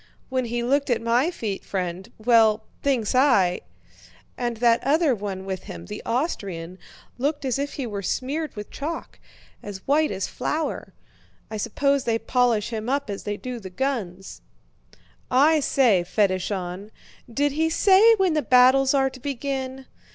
"When he looked at my feet, friend... well, thinks I..." "And that other one with him, the Austrian, looked as if he were smeared with chalk—as white as flour! I suppose they polish him up as they do the guns." "I say, Fédeshon!... Did he say when the battles are to begin?